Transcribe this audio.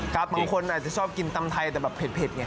ครับบางคนอาจจะชอบกินตำไทยแต่เผ็ดเผ็ดไง